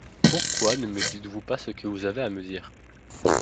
Pourquoi ne me dites-vous pas ce que vous avez à me dire?